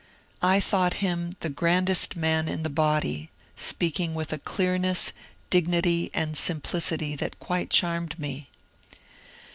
I thought him the grandest man in the body — speaking with a clearness, dignity, and simplicity that quite charmed me.